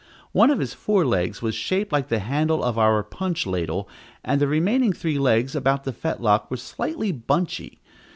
One of his fore legs was shaped like the handle of our punch ladle, and the remaining three legs, about the fetlock, were slightly bunchy.